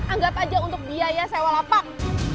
anggap aja untuk biaya sewa lapak